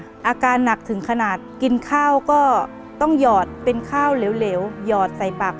รายการต่อไปนี้เป็นรายการทั่วไปสามารถรับชมได้ทุกวัย